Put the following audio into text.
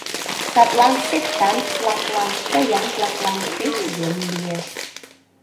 Садлан сектант-влаклан, поян-влаклан пеш йӧн лиеш.